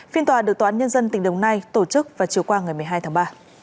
phiên tòa được tòa án nhân dân tỉnh đồng nai tổ chức vào chiều qua ngày một mươi hai tháng ba